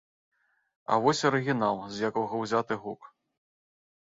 А вось арыгінал, з якога ўзяты гук.